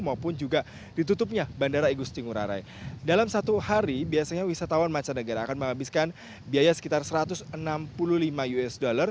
maupun juga ditutupnya bandara igusti ngurah rai dalam satu hari biasanya wisatawan mancanegara akan menghabiskan biaya sekitar satu ratus enam puluh lima usd